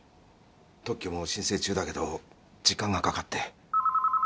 特許も申請中だけど時間がかかって。